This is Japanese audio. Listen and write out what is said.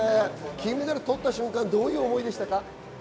金メダル取った瞬間、どんな気持ちでしたか？